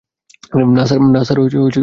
না sir, team work sir!